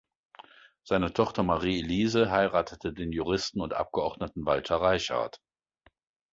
Seine Tochter Marie Elise heiratete den Juristen und Abgeordneten Walter Reichard.